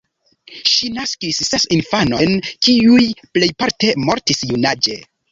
Ŝi naskis ses infanojn, kiuj plejparte mortis junaĝe.